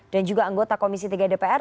dan juga anggota komisi tiga dpr